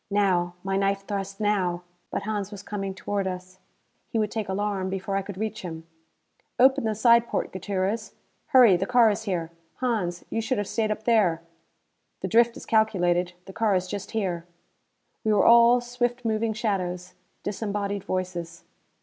Now! My knife thrust now! But Hans was coming toward us. He would take alarm before I could reach him. "Open the side porte, Gutierrez. Hurry, the car is here. Hans, you should have stayed up there!" "The drift is calculated; the car is just here." We were all swift moving shadows; disembodied voices.